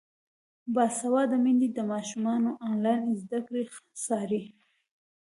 باسواده میندې د ماشومانو انلاین زده کړې څاري.